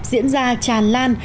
diễn ra tràn lan